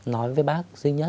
nói với bác duy nhất